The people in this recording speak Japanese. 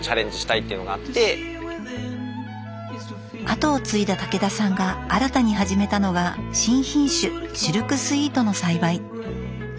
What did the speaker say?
後を継いだ武田さんが新たに始めたのは新品種シルクスイートの栽培。